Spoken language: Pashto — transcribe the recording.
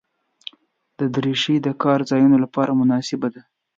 دریشي د کار ځایونو لپاره مناسبه ده.